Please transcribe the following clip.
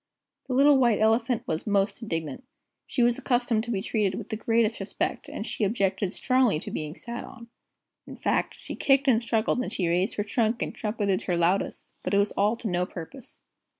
The little White Elephant was most indignant. She was accustomed to be treated with the greatest respect, and she objected strongly to being sat on; in fact, she kicked and struggled, and she raised her trunk and trumpeted her loudest. But it was all to no purpose.